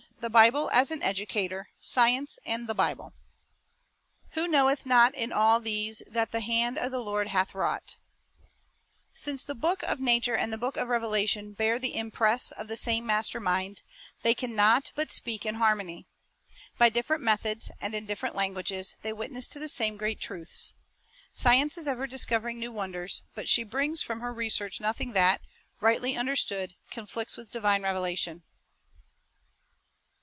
Harmony <>t Nature and Revelation Evolution of the Earth ^INCE the book of nature and the book of revelation ^ bear the impress of the same master mind, they can not but speak in harmony. By different methods, and in different languages, they witness to the same great truths. Science is ever discovering new wonders ; but she brings from her research nothing that, rightly understood, conflicts with divine revelation.